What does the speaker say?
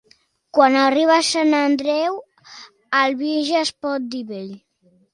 Quan arriba Sant Andreu el vi ja es pot dir vell.